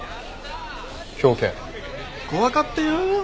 狂犬？怖かったよ。